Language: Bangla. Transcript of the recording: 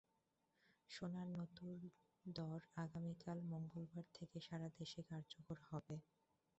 সোনার নতুন দর আগামীকাল মঙ্গলবার থেকে সারা দেশে কার্যকর হবে।